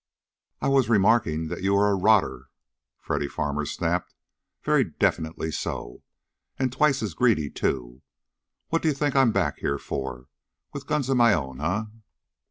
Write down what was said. "I was remarking that you are a rotter!" Freddy Farmer snapped. "Very definitely so. And twice as greedy, too. What do you think I'm back here for, with guns of my own, eh?"